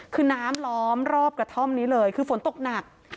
คือน้ำล้อมรอบกระท่อมนี้เลยคือฝนตกหนัก